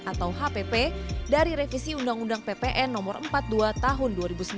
atau hpp dari revisi undang undang ppn no empat puluh dua tahun dua ribu sembilan